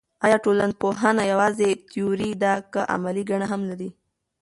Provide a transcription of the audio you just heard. آیا ټولنپوهنه یوازې تیوري ده که عملي ګټه هم لري.